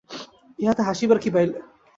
ইহাতে হাসিবার কী পাইলে?